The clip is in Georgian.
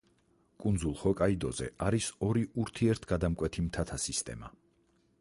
კუნძულ ჰოკაიდოზე არის ორი ურთიერთგადამკვეთი მთათა სისტემა.